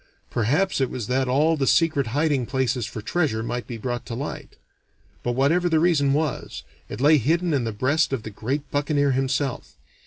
Perhaps it was that all the secret hiding places for treasure might be brought to light; but whatever the reason was, it lay hidden in the breast of the great buccaneer himself.